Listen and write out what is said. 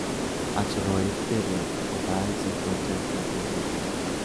Al suroeste de O'Day se encuentra el cráter Seidel.